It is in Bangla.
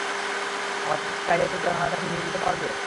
আমাদেরকে স্কাইলাইটের জানালার কাছে নিয়ে যেতে পারবে?